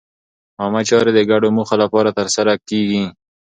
عامه چارې د ګډو موخو لپاره ترسره کېږي.